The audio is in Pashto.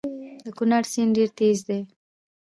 د کونړ سیند ډیر تېز دی